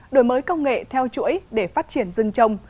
đổi mới công nghệ theo chuỗi để phát triển rừng trồng